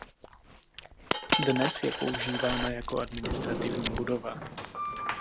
Dnes je používána jako administrativní budova.